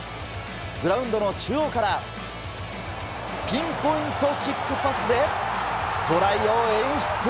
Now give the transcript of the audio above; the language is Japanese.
グラウンドの中央から、ピンポイントキックパスでトライを演出。